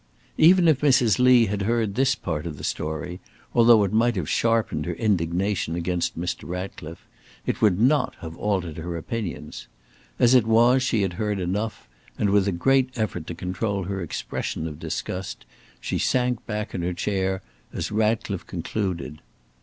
Even if Mrs. Lee had heard this part of the story, though it might have sharpened her indignation against Mr. Ratcliffe, it would not have altered her opinions. As it was, she had heard enough, and with a great effort to control her expression of disgust, she sank back in her chair as Ratcliffe concluded.